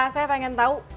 saya pengen tahu